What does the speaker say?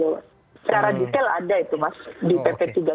secara detail ada itu mas di pp tiga puluh